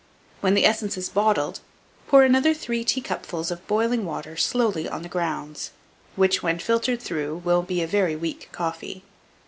When the essence is bottled, pour another 3 tea cupfuls of boiling water slowly on the grounds, which, when filtered through, will be a very weak coffee.